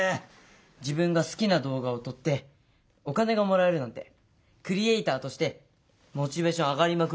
自分が好きな動画を撮ってお金がもらえるなんてクリエーターとしてモチベーション上がりまくりですよ！